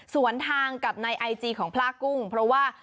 สวนทางกับในไอจีของพลากุ้งเพราะว่า